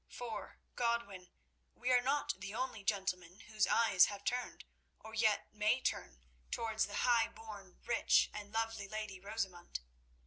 For, Godwin, we are not the only gentlemen whose eyes have turned, or yet may turn, towards the high born, rich, and lovely lady Rosamund.